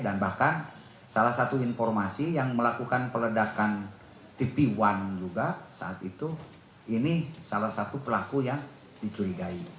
dan bahkan salah satu informasi yang melakukan peledakan tipi satu juga saat itu ini salah satu pelaku yang dicurigai